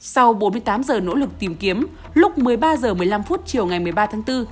sau bốn mươi tám giờ nỗ lực tìm kiếm lúc một mươi ba h một mươi năm chiều ngày một mươi ba tháng bốn